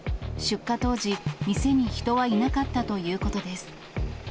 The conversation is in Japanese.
出火当時、店に人はいなかったということです。